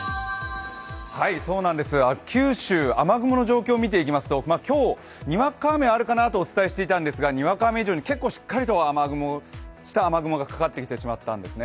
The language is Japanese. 九州、雨雲の状況を見ていきますと、今日、にわか雨あるかなとお伝えしていたんですがにわか雨以上に結構、しっかりとした雨雲がかかってきてしまったんですね。